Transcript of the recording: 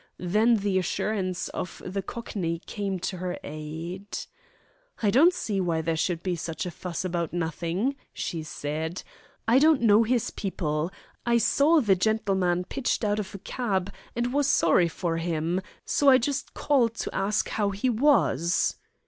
Then the assurance of the Cockney came to her aid. "I don't see why there should be such a fuss about nothing," she said. "I don't know his people. I saw the gentleman pitched out of a cab and was sorry for him, so I just called to ask how he was."